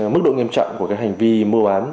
mức độ nghiêm trọng của cái hành vi mô bán